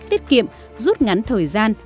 tiết kiệm rút ngắn thời gian